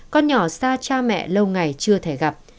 con nhỏ xa cha mẹ lâu ngày chưa thể gặp